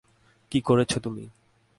কী করেছো তুমি?